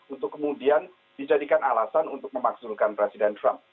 untuk kemudian dijadikan alasan untuk memakzulkan presiden trump